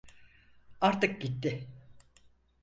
Artık gitti.